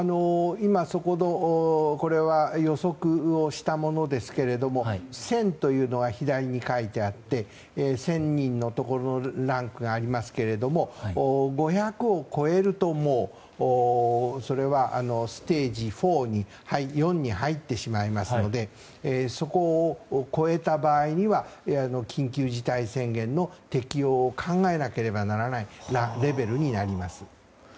今、そこの予測をしたものですけれども１０００というのが左に書いてあって１０００人のところのランクがありますが５００を超えるともうそれはステージ４に入ってしまいますのでそこを超えた場合には緊急事態宣言の適用を考えなければならないレベルになります。